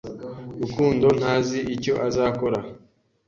Rukundo ntazi icyo azakora.